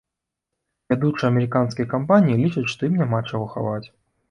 Вядучыя амерыканскія кампаніі лічаць, што ім няма чаго хаваць.